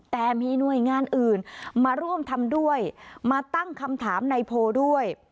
แต่มีหน่วยงานอื่นมาร่วมทำด้วยมาตั้งคำถามในโพลด้วย